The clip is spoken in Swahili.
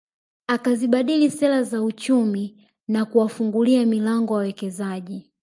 Akazibadili sera za uchumi na kuwafungulia milango wawekezaji